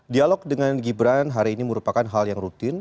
dialog dengan gibran hari ini merupakan hal yang rutin